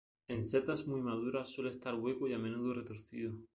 En setas muy maduras suele estar hueco y a menudo retorcido.